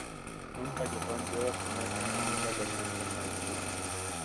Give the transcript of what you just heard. Un callejón lleva su nombre en la Villa Lomas de Maipú.